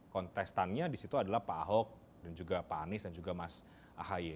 kontestannya disitu adalah pak ahok dan juga pak anies dan juga mas ahaye